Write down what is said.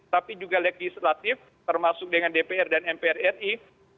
tapi juga legislatif termasuk dengan dpr dan mpr ri